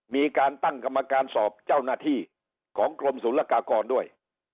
มีการตั้งกรรมการสอบเจ้าหน้าที่ของกรมศูนยากากรด้วย